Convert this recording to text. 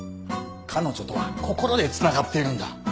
彼女とは心で繋がっているんだ。